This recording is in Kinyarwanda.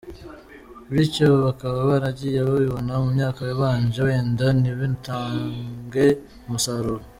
Bityo bakaba baragiye babibona mu myaka yabanje wenda ntibinatange umusaruro.